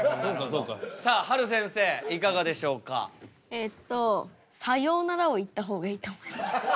えっと「さようなら」を言った方がいいと思います。